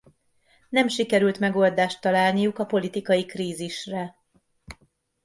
Nem sikerült megoldást találniuk a politikai krízisre.